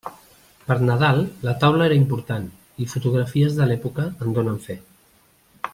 Per Nadal la taula era important, i fotografies de l'època en donen fe.